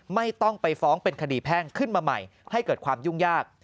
ไม่ต้องไปฟ้องเป็นคดีแพ่งขึ้นมาใหม่ให้เกิดความยุ่งยาก